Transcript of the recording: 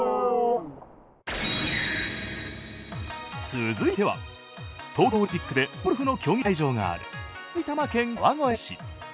続いては東京オリンピックでゴルフの競技会場がある埼玉県川越市。